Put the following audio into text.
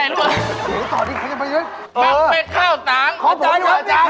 เฮ่ยตอนนี้เขาจะไปยึด